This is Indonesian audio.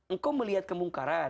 engkau melihat kemungkaran